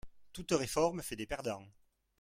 Toute réforme fait des perdants